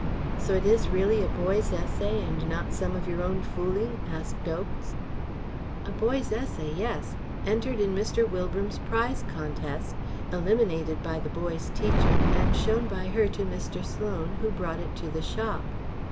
"So it is really a boy's essay, and not some of your own fooling?" asked Oakes. "A boy's essay, yes; entered in Mr. Wilbram's prize contest, eliminated by the boy's teacher and shown by her to Mr. Sloan, who brought it to the shop.